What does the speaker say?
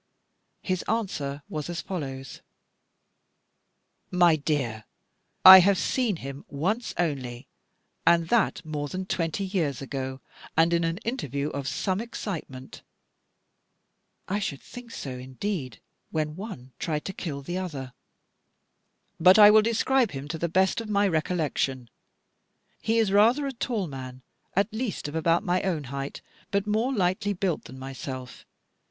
His answer was as follows: "My dear, I have seen him once only, and that more than twenty years ago, and in an interview of some excitement" I should think so indeed, when one tried to kill the other "but I will describe him to the best of my recollection. He is rather a tall man, at least of about my own height, but more lightly built than myself.